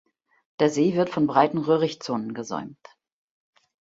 Der See wird von breiten Röhrichtzonen gesäumt.